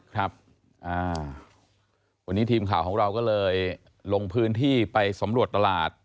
ครับวันนี้ทีมข่าวของเราก็เลยลงพื้นที่ไปสำรวจตลาด